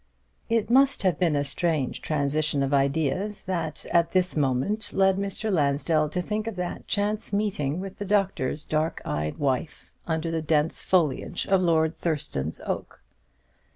It must have been a strange transition of ideas that at this moment led Mr. Lansdell to think of that chance meeting with the doctor's dark eyed wife under the dense foliage of Lord Thurston's oak.